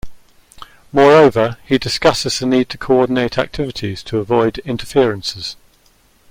Moreover, he discusses the need to coordinate activities to avoid "interferences".